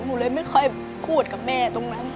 หนูเลยไม่ค่อยพูดกับแม่ตรงนั้น